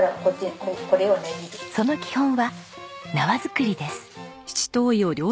その基本は縄作りです。